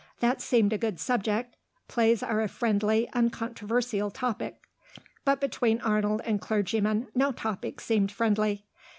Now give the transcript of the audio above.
That seemed a good subject; plays are a friendly, uncontroversial topic. But between Arnold and clergymen no topic seemed friendly.